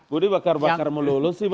budi bakar bakar mulut sih